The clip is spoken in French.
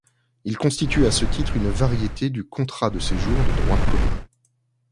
Il constitue, à ce titre, une variété du contrat de séjour de droit commun.